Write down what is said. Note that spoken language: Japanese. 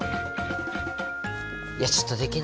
いやちょっとできないかな。